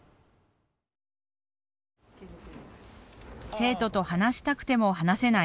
生徒と話したくても話せない。